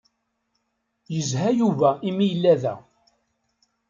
Yezha Yuba imi yella da.